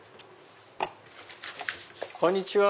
こんにちは。